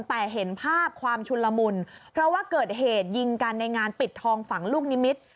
แต่เห็นภาพความชุนละมุนเพราะว่าเกิดเหตุยิงกันในงานปิดทองฝังลูกนิมิตร